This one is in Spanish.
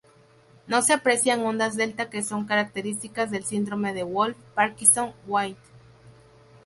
No se aprecian ondas delta que son características del síndrome de Wolff-Parkinson-White.